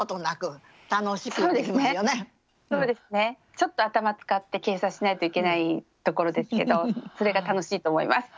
ちょっと頭使って計算しないといけないところですけどそれが楽しいと思います。